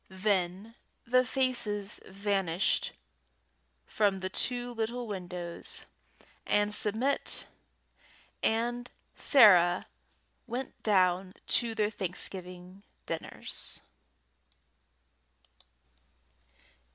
Then the faces vanished from the two little windows, and Submit and Sarah went down to their Thanksgiving dinners.